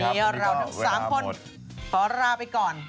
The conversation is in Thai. วันนี้เราทั้ง๓คนขอลาไปก่อน